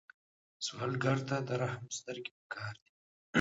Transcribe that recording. سوالګر ته د رحم سترګې پکار دي